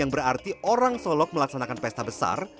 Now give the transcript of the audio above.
yang berarti orang solok melaksanakan pesta besar